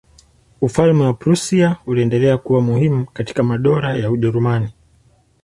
Ufalme wa Prussia uliendelea kuwa muhimu kati ya madola ya Ujerumani.